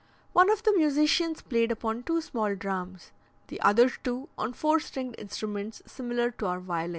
One of the musicians played upon two small drums, the other two on four stringed instruments, similar to our violins.